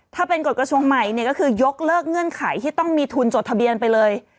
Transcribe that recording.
ถ้าเป็นกฎกระทรวงใหม่เนี่ยก็คือยกเลิกเงื่อนไขที่ต้องมีทุนจดทะเบียนไปเลย